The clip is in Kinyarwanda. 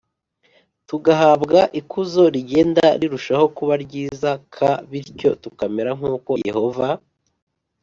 tugahabwa ikuzo rigenda rirushaho kuba ryiza k bityo tukamera nk uko Yehova